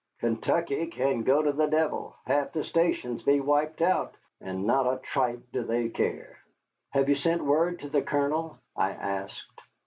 Kentucky can go to the devil, half the stations be wiped out, and not a thrip do they care." "Have you sent word to the Colonel?" I asked.